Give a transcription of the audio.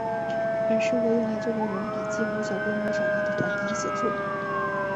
很适合用来做个人笔记和小规模场合的团体写作。